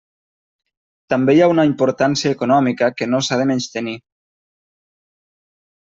També hi ha una importància econòmica que no s'ha de menystenir.